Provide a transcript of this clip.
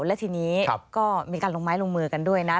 และทีนี้ก็มีการลงไม้ลงมือกันด้วยนะ